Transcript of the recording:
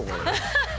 ハハハ！